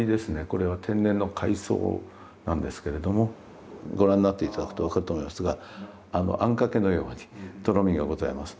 これは天然の海藻なんですけれどもご覧になって頂くと分かると思いますがあんかけのようにとろみがございます。